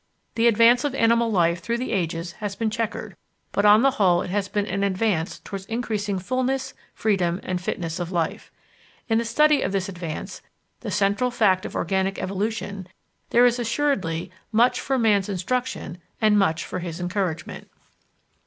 The advance of animal life through the ages has been chequered, but on the whole it has been an advance towards increasing fullness, freedom, and fitness of life. In the study of this advance the central fact of Organic Evolution there is assuredly much for Man's instruction and much for his encouragement.